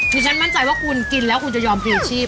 ฉันมั่นใจว่าคุณกินแล้วคุณจะยอมพีชีพ